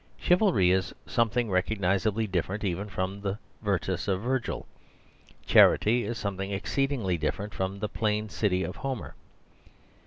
Chivalry is some thing recognisably different even from the virtus of Virgil. Charity is something ex ceedingly different from the plain city of Ho mer.